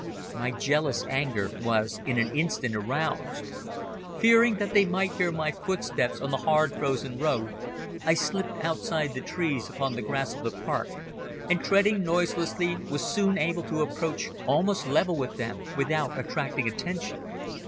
My jealous anger was in an instant aroused. Fearing that they might hear my footsteps on the hard frozen road I slipped outside the trees upon the grass of the park, and treading noiselessly was soon able to approach almost level with them without attracting attention.